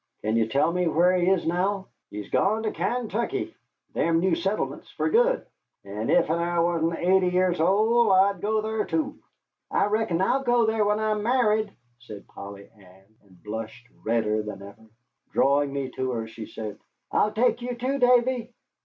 "Can you tell me where he is now?" "He's gone to Kaintuckee, them new settlements, fer good. And ef I wasn't eighty years old, I'd go thar, too." "I reckon I'll go thar when I'm married," said Polly Ann, and blushed redder than ever. Drawing me to her, she said, "I'll take you, too, Davy."